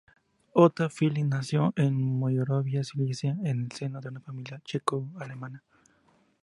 Ota Filip nació en Moravia-Silesia en el seno de una familia checo alemana.